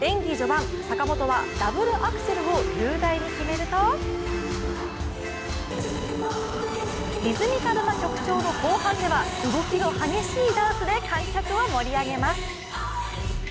演技序盤、坂本はダブルアクセルを雄大に決めるとリズミカルな曲調の後半では動きの激しいダンスで観客を盛り上げます。